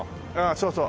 そうそう。